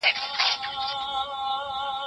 د میاشتې پای د کارګرانو لپاره ډېر مهم وي.